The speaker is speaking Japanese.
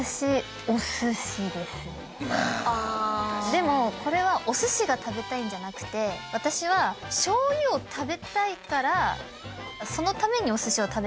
でもこれはおすしが食べたいんじゃなくて私はしょうゆを食べたいからそのためにおすしを食べてるみたいな感じです。